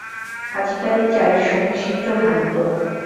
আজিকার এই চায়ের সভা শীঘ্র ভাঙিত না।